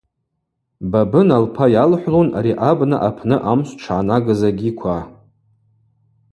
Бабына лпа йалхӏвлун ари абна апны амшв дшгӏанагыз агьиква.